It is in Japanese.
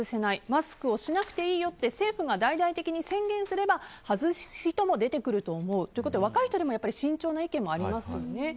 マスクをしなくていいよって政府が大々的に宣言すれば外す人も出てくると思うということで若い人でも慎重な意見もありますよね。